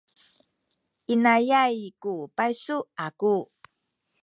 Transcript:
inayay ku paysu aku.